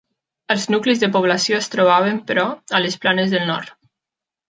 Els nuclis de població es trobaven, però, a les planes del nord.